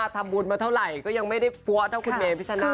ทำบุญมาเท่าไรก็ยังไม่ได้บัวตัวคุณเมพิชาณานะคะ